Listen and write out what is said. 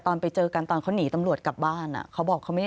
แต่ตอนเจอกันเกิด